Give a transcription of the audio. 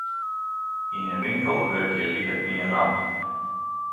Yn in winkel wurkje liket my in ramp.